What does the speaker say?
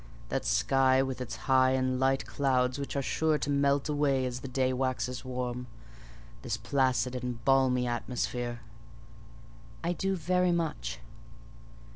That sky with its high and light clouds which are sure to melt away as the day waxes warm—this placid and balmly atmosphere?" "I do, very much."